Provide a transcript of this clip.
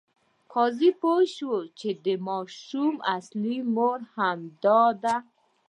قاضي پوه شو چې د ماشوم اصلي مور همدا ده.